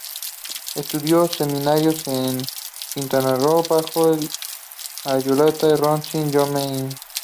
Estudió seminarios en Qom, bajo el ayatolá Ruhollah Jomeini.